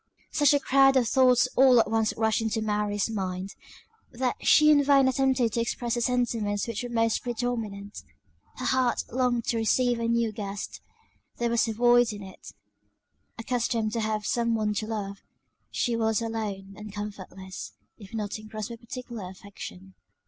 Such a crowd of thoughts all at once rushed into Mary's mind, that she in vain attempted to express the sentiments which were most predominant. Her heart longed to receive a new guest; there was a void in it: accustomed to have some one to love, she was alone, and comfortless, if not engrossed by a particular affection.